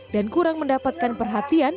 dan kurang mendapatkan perhatian